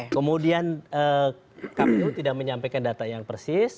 kemudian kpu tidak menyampaikan data yang persis